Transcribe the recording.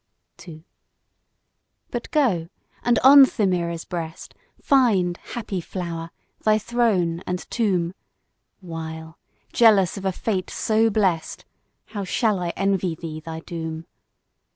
II. But go! and on Themira's breast Find, happy flower! thy throne and tomb; While, jealous of a fate so blest, How shall I envy thee thy doom!